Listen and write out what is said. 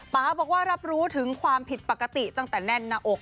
บอกว่ารับรู้ถึงความผิดปกติตั้งแต่แน่นหน้าอก